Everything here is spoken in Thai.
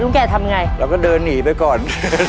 แก่ทำยังไงเราก็เดินหนีไปก่อน